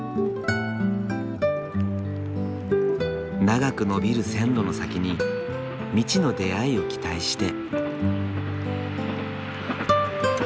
長く延びる線路の先に未知の出会いを期待して。